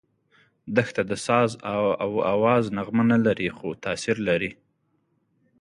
دښته د ساز او آواز نغمه نه لري، خو تاثیر لري.